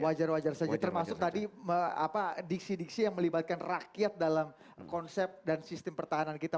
wajar wajar saja termasuk tadi diksi diksi yang melibatkan rakyat dalam konsep dan sistem pertahanan kita